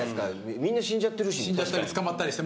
みんな死んじゃってるしみたいな。